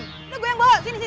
itu gua yang bawa sini sini